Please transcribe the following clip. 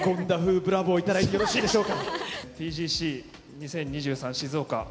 ブラボー頂いてよろしいでしょうか。